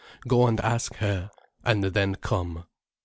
Go and ask her, and then come.